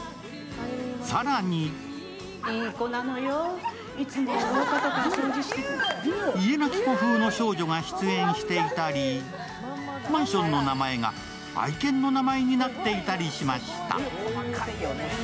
更に、「家なき子」風の少女が出演していたり、マンションの名前が愛犬の名前になっていたりしました。